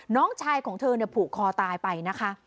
น้องชายของเธอเนี่ยผูกคอตายไปนะคะ